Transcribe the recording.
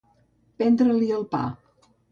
Prendre-li el pa.